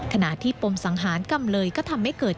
ขณะที่ปมสังหารจำเลยก็ทำให้เกิด